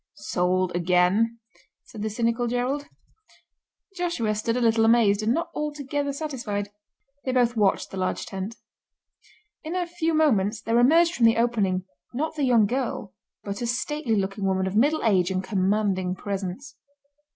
"Sold again!" said the cynical Gerald. Joshua stood a little amazed, and not altogether satisfied. They both watched the large tent. In a few moments there emerged from the opening not the young girl, but a stately looking woman of middle age and commanding presence.